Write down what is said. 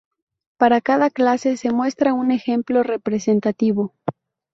Para cada clase, se muestra un ejemplo representativo.